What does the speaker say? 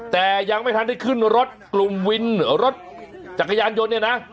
แต่ยังไม่ทันได้ขึ้นรถกลุ่มวินรถจักรยานยนต์เนี่ยนะ